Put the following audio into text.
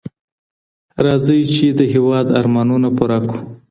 راځئ چي د هېواد ارمانونه پوره کړو.